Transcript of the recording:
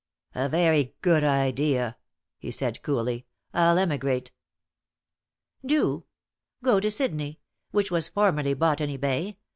"A very good idea," he said, coolly. "I'll emigrate." "Do. Go to Sydney which was formerly Botany Bay.